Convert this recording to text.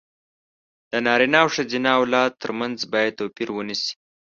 د نارينه او ښځينه اولاد تر منځ بايد توپير ونشي.